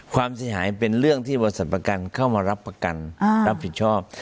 ความเสียหายเป็นเรื่องที่บริษัทประกันเข้ามารับประกันรับผิดชอบ